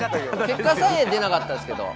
結果さえ出なかったですけど。